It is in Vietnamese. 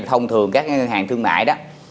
thông thường các ngân hàng thương mại